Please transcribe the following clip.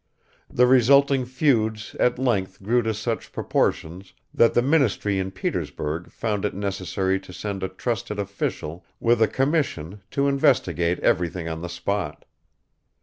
The resulting feuds at length grew to such proportions that the ministry in Petersburg found it necessary to send a trusted official with a commission to investigate everything on the spot.